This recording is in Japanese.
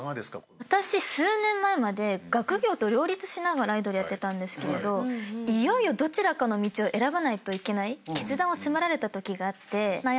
私数年前まで学業と両立しながらアイドルやってたんですけどいよいよどちらかの道を選ばないといけない決断を迫られたときがあって悩んでて。